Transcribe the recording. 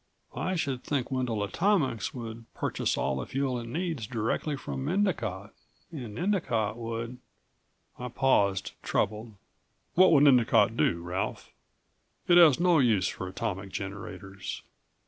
I should think Wendel Atomics would purchase all the fuel it needs directly from Endicott. And Endicott would " I paused, troubled. "What would Endicott do, Ralph? It has no use for atomic generators.